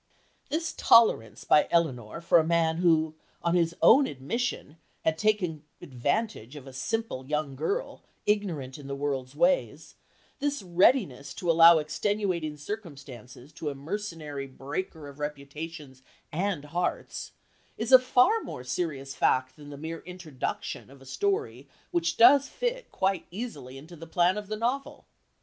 This tolerance by Elinor for a man who, on his own admission, had "taken advantage" of a simple young girl, ignorant in the world's ways, this readiness to allow extenuating circumstances to a mercenary breaker of reputations and hearts, is a far more serious fact than the mere introduction of a story which does fit quite easily into the plan of the novel.